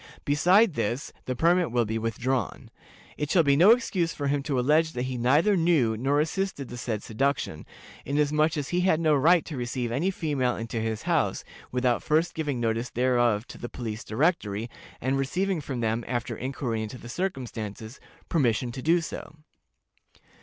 Besides this, the permit will be withdrawn. It shall be no excuse for him to allege that he neither knew nor assisted the said seduction, inasmuch as he had no right to receive any female into his house without first giving notice thereof to the Police Directory, and receiving from them, after inquiry into the circumstances, permission to do so.